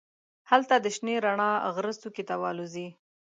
هلته د شنې رڼا غره څوکې ته والوزي.